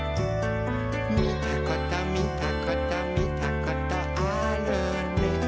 「みたことみたことみたことあるね」